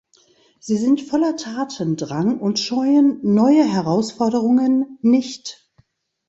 Sie sind voller Tatendrang und scheuen neue Herausforderungen nicht.